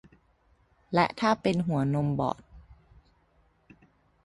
และถ้าเป็นหัวนมบอด